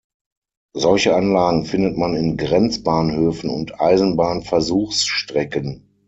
Solche Anlagen findet man in Grenzbahnhöfen und Eisenbahn-Versuchsstrecken.